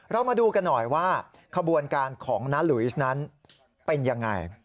เรามาดูกันหน่อยว่าขบวนการของน้าหลุยสนั้นเป็นยังไง